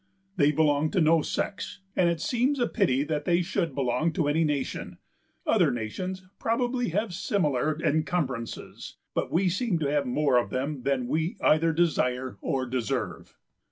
They belong to no sex and it seems a pity that they should belong to any nation; other nations probably have similar encumbrances, but we seem to have more of them than we either desire or deserve.